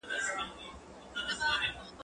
هغه وويل چي لوښي وچول مهم دي